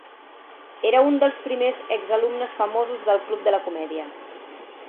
Era un dels primers exalumnes famosos del club de la comèdia.